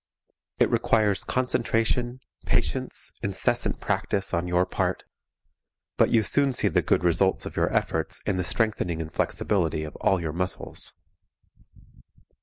It requires concentration, patience, incessant practice, on your part, but you soon see the good results of your efforts in the strengthening and flexibility of all your muscles.